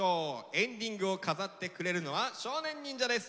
エンディングを飾ってくれるのは少年忍者です。